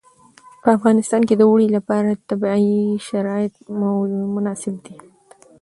په افغانستان کې د اوړي لپاره طبیعي شرایط مناسب دي.